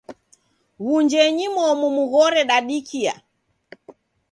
Wunjenyi momu mughore dadikia.